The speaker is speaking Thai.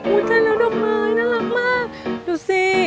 ใจแล้วดอกไม้น่ารักมากดูสิ